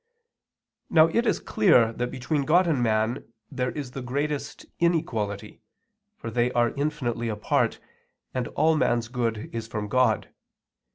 Now it is clear that between God and man there is the greatest inequality: for they are infinitely apart, and all man's good is from God.